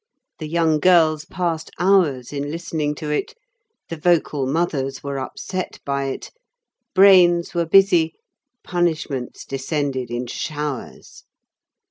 The young girls passed hours in listening to it, the vocal mothers were upset by it, brains were busy, punishments descended in showers.